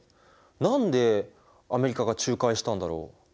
何でアメリカが仲介したんだろう。